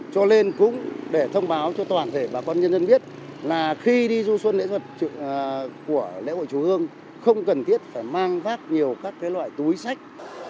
cho lên cũng để thông báo cho toàn thể bà con nhân dân biết là khi đi du xuân lễ thuật của lễ hội chùa hương không cần thiết phải mang vác nhiều các loại túi sách